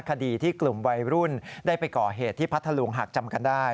คดีที่กลุ่มวัยรุ่นได้ไปก่อเหตุที่พัทธลุงหากจำกันได้